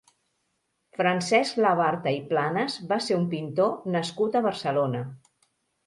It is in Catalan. Francesc Labarta i Planas va ser un pintor nascut a Barcelona.